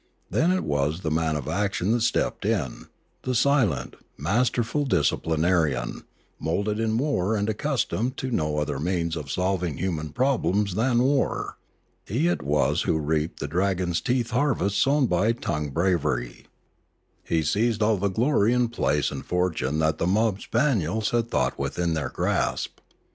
Then it was the man of action that stepped in, the silent, masterful 404 Limanora disciplinarian, moulded in war and accustomed to no other means of solving human problems than war; he it was who reaped the dragon's teeth harvest sown by tongue bra very: he seized all the glory and place and fortune that the mob spaniels had thought within their grasp.